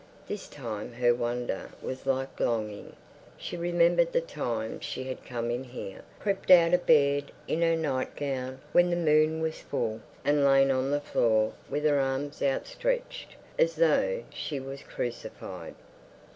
This time her wonder was like longing. She remembered the times she had come in here, crept out of bed in her nightgown when the moon was full, and lain on the floor with her arms outstretched, as though she was crucified.